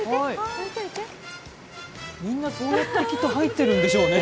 みんなそうやって入ってるんでしょうね。